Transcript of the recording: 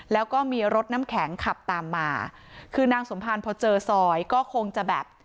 แล้วก็มีรถน้ำแข็งขับตามมาคือนางสมภารพอเจอซอยก็คงจะแบบ